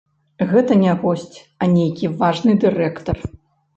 Гэта не госць, а нейкі важны дырэктар.